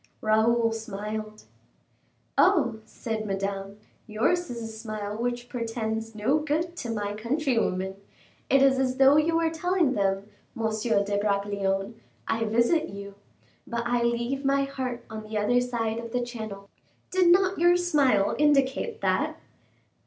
Raoul smiled. "Oh!" said Madame, "yours is a smile which portends no good to my countrywomen. It is as though you were telling them, Monsieur de Bragelonne: 'I visit you, but I leave my heart on the other side of the Channel.' Did not your smile indicate that?"